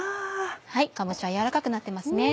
かぼちゃ軟らかくなってますね。